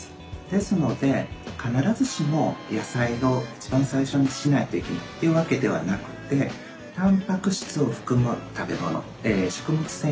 ですので必ずしも野菜を一番最初にしないといけないっていうわけではなくてたんぱく質を含む食べ物食物繊維を含む食べ物。